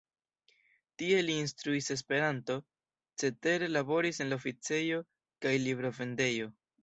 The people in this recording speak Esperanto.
Tie li instruis Esperanton, cetere laboris en la oficejo kaj librovendejo.